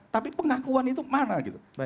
tapi pengakuan itu mana gitu